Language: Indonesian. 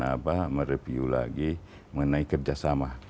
dalam waktu dekat kita akan mereview lagi mengenai kerjasama